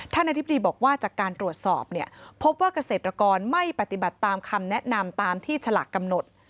อธิบดีบอกว่าจากการตรวจสอบเนี่ยพบว่าเกษตรกรไม่ปฏิบัติตามคำแนะนำตามที่ฉลากกำหนด